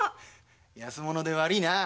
安物で悪いなあ